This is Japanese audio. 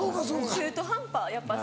中途半端やっぱ仙台。